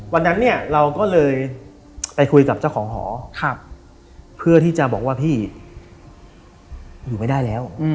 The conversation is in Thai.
วันนั้นเนี่ยเราก็เลยไปคุยกับเจ้าของหอเพื่อที่จะบอกว่าพี่อยู่ไม่ได้แล้ว